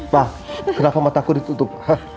ma kenapa mata aku ditutup